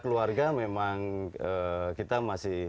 keluarga memang kita masih